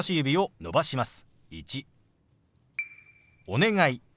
「お願い」。